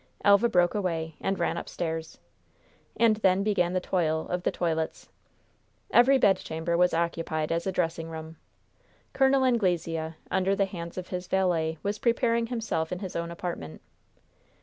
Elva broke away, and ran upstairs. And then began the toil of the toilets. Every bedchamber was occupied as a dressing room. Col. Anglesea, under the hands of his valet, was preparing himself in his own apartment.